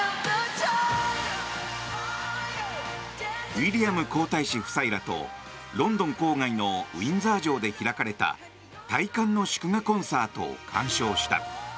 ウィリアム皇太子夫妻らとロンドン郊外のウィンザー城で開かれた戴冠の祝賀コンサートを鑑賞した。